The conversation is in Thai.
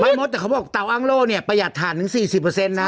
มดแต่เขาบอกเตาอ้างโล่เนี่ยประหยัดฐานถึง๔๐นะ